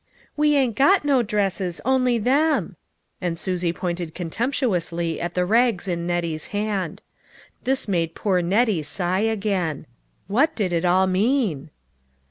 "We ain't got no dresses only them," and Susie pointed contemptuously at the rags in Nettie's hand. This made poor Nettie sigh again. What did it all mean